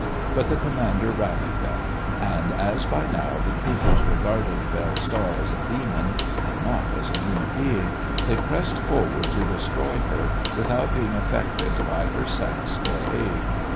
But the commander rallied them, and as by now the troopers regarded Belle Star as a demon and not as a human being they pressed forward to destroy her without being affected by her sex or age.